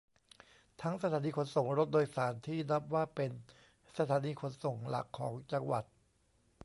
ทั้งสถานีขนส่งรถโดยสารที่นับว่าเป็นสถานีขนส่งหลักของจังหวัด